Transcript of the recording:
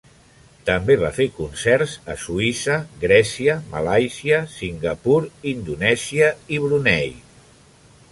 També va fer concerts a Suïssa, Grècia, Malàisia, Singapur, Indonèsia i Brunei.